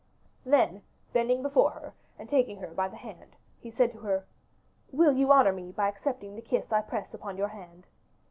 Then, bending before her, and taking her by the hand, he said to her, "Will you honor me by accepting the kiss I press upon your hand?"